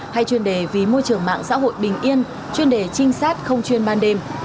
hay chuyên đề vì môi trường mạng xã hội bình yên chuyên đề trinh sát không chuyên ban đêm